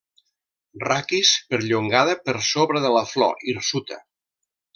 Raquis perllongada per sobre de la flor, hirsuta.